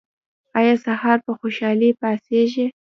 ایا سهار په خوشحالۍ پاڅیږئ؟